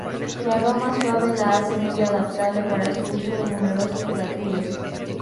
Su aroma suave la hace muy adaptable para su uso en numerosos platillos.